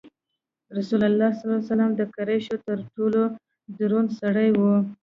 رسول الله د قریشو تر ټولو دروند سړی و.